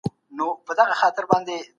موږ اندازه بيا زده کوو.